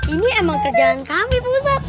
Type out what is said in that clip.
ini emang kerjaan kami pusat